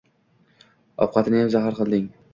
Ovqatniyam zahar qilding